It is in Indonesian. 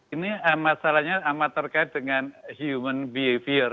ini masalahnya amat terkait dengan human behavior